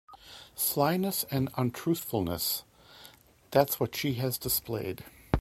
Slyness and untruthfulness — that’s what she has displayed.